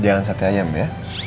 jangan sate ayam ya